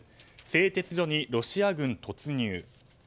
製鉄所にロシア軍突入。